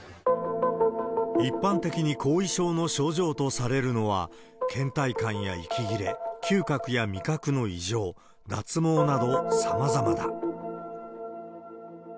一般的に後遺症の症状とされるのは、けん怠感や息切れ、嗅覚や味覚の異常、脱毛などさまざまだ。